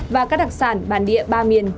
và các đặc sản bản địa ba miền